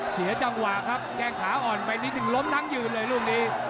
เสียจังหวะครับแก้งขาอ่อนไปนิดนึงล้มทั้งยืนเลยลูกนี้